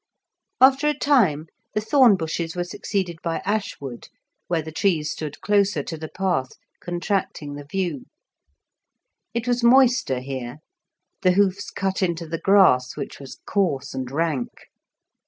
After a time the thorn bushes were succeeded by ash wood, where the trees stood closer to the path, contracting the view; it was moister here, the hoofs cut into the grass, which was coarse and rank.